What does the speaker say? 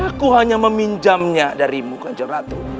aku hanya meminjamnya darimu kanyang ratu